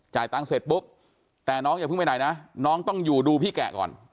ตังค์เสร็จปุ๊บแต่น้องอย่าเพิ่งไปไหนนะน้องต้องอยู่ดูพี่แกะก่อน